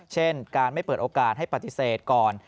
เช่นการไม่เปิดโอกาสให้ปฏิเสธก่อน